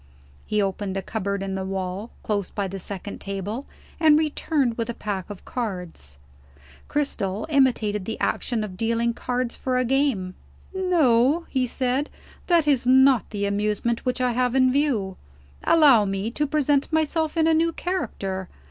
He opened a cupboard in the wall, close by the second table, and returned with a pack of cards. Cristel imitated the action of dealing cards for a game. "No," he said, "that is not the amusement which I have in view. Allow me to present myself in a new character.